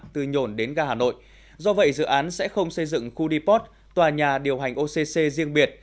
từ nhổn đến ga hà nội do vậy dự án sẽ không xây dựng khu deport tòa nhà điều hành occ riêng biệt